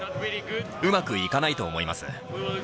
うまくいかないと思います。